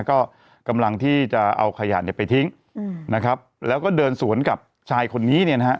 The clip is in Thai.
ก็กำลังที่จะเอาขยะเนี่ยไปทิ้งนะครับแล้วก็เดินสวนกับชายคนนี้เนี่ยนะฮะ